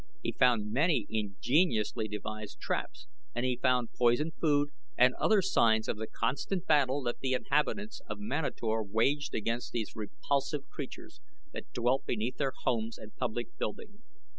He found many ingeniously devised traps, and he found poisoned food and other signs of the constant battle that the inhabitants of Manator waged against these repulsive creatures that dwelt beneath their homes and public buildings.